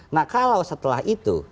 nah kalau setelah itu